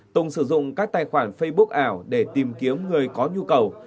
tùng sử dụng các tài khoản facebook ảo để tìm kiếm người có nhu cầu